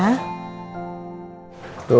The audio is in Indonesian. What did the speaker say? nanti aku datang